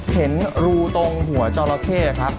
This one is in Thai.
เห็นรูตรงหัวจราเข้ครับ